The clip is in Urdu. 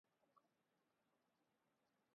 ہم کب گمان سے نکل کربصیرت کی سرحد میں قدم رکھیں گے؟